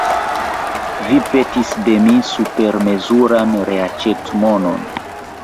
Vi petis de mi supermezuran reaĉetmonon.